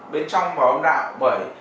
bên trong ông đạo